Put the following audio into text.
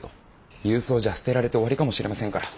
郵送じゃ捨てられて終わりかもしれませんから。